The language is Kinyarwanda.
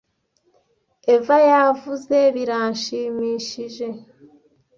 eva yavuze biranshimishije